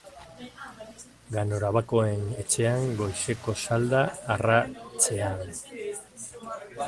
Ganorabakoen etxean goizeko salda arratsean.